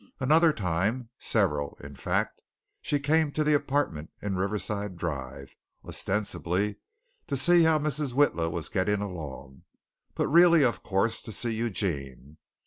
Another time several, in fact she came to the apartment in Riverside Drive, ostensibly to see how Mrs. Witla was getting along, but really, of course, to see Eugene.